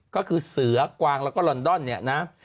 ก็คือเสือกวางแล้วก็ลอนดอนเนี่ยนะ